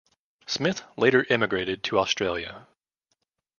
Smith later emigrated to Australia.